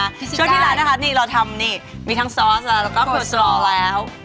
ช่วงที่ร้านนะคะนี่เราทำนี่มีทั้งซอสแล้วก็โคสลอแล้ว